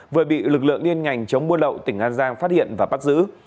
vừa bị lực lượng liên ngành chống buôn lậu tỉnh an giang phát hiện và bắt giữ